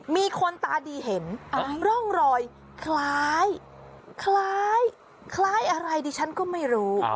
มีคนตาดีเห็นร่องรอยคล้ายอะไรดิฉันก็ไม่รู้